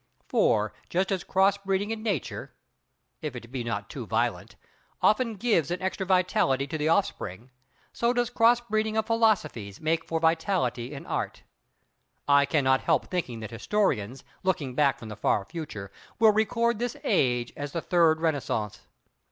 For, just as cross breeding in Nature—if it be not too violent—often gives an extra vitality to the offspring, so does cross breeding of philosophies make for vitality in Art. I cannot help thinking that historians, looking back from the far future, will record this age as the Third Renaissance.